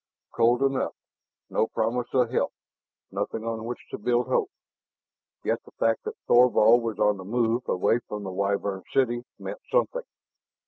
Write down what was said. Cold enough, no promise of help, nothing on which to build hope. Yet the fact that Thorvald was on the move, away from the Wyvern city, meant something.